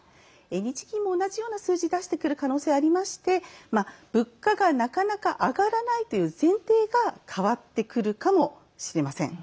日銀も同じような数字を出してくる可能性はありまして物価が、なかなか上がらないという前提が変わってくるかもしれません。